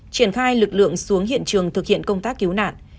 triển khai lực lượng xuống hiện trường thực hiện công tác cứu nạn